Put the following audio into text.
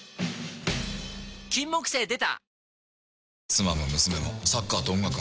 金木犀でた！